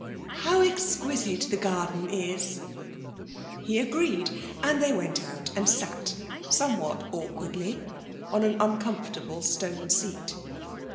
'How exquisite the garden is.' He agreed, and they went out and sat, somewhat awkwardly, on an uncomfortable stone seat.